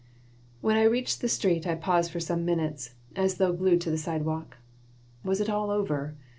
When I reached the street I paused for some minutes, as though glued to the sidewalk. Was it all over?